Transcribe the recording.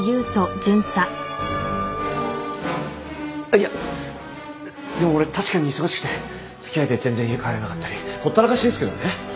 いやでも俺確かに忙しくて付き合いで全然家帰れなかったりほったらかしですけどね。